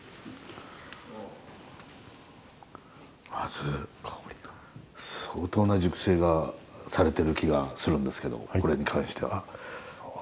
まず相当な熟成がされてる気がするんですけどもこれに関しては。